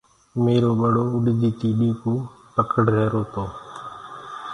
ميرو ٻڙو تيڏو اُڏ رهيرو تو۔